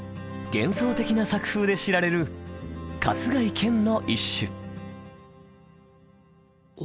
幻想的な作風で知られる春日井建の一首。